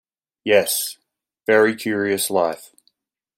Yes; very curious life.